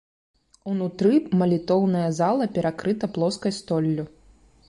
Унутры малітоўная зала перакрыта плоскай столлю.